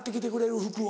服を。